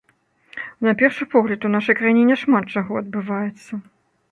На першы погляд, у нашай краіне няшмат чаго адбываецца.